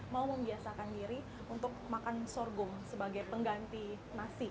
mau membiasakan diri untuk makan sorghum sebagai pengganti nasi